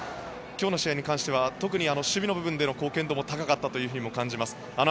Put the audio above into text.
今日の試合に関しては特に守備のところでの貢献度も高かったというふうにも感じます。